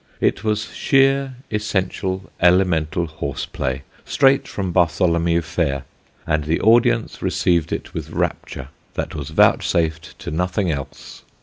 It was sheer essential elemental horse play straight from Bartholomew Fair, and the audience received it with rapture that was vouchsafed to nothing else.